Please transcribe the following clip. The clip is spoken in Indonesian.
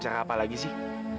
apa lagi sih